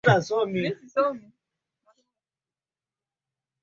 Umuhimu wa kutenga taka upo katika jitihada za kuzuia maji